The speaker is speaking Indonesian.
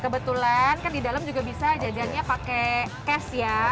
kebetulan kan di dalam juga bisa jajangnya pakai cash ya